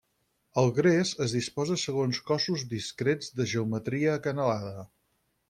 El gres es disposa segons cossos discrets de geometria acanalada.